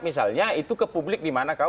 misalnya itu ke publik di mana kau